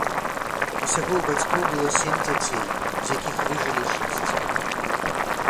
Усяго ў бацькоў было сем дзяцей, з якіх выжылі шэсць.